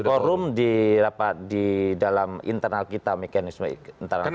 korum di dalam internal kita mekanisme internal kita